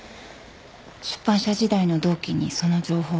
出版社時代の同期にその情報を。